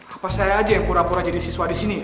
apa saya aja yang pura pura jadi siswa di sini